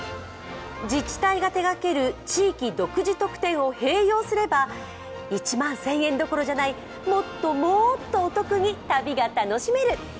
自治体が手がける地域独自特典を併用すれば１万１０００円どころじゃないもっともっとお得に旅が楽しめる。